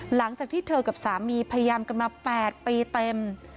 หลังจากที่เธอกับสามีพยายามกันมา๘ปีเต็ม